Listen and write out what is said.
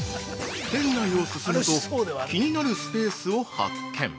◆店内を進むと、気になるスペースを発見。